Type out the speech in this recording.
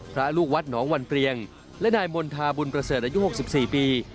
ลูกวัดหนองวันเปรียงและนายมณฑาบุญประเสริฐอายุ๖๔ปี